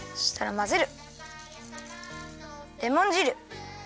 まぜる。